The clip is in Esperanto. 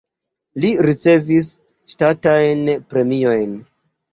Li ricevis ŝtatajn premiojn.